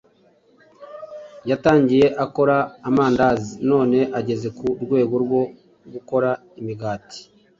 Yatangiye akora amandazi none ageze ku rwego rwo gukora imigati